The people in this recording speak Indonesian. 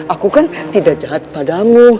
aku kan tidak jahat padamu